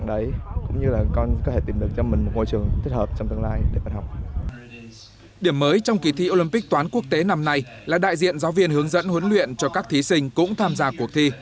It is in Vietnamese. điểm mới trong kỳ thi olympic toán quốc tế năm nay là đại diện giáo viên hướng dẫn huấn luyện cho các thí sinh cũng tham gia cuộc thi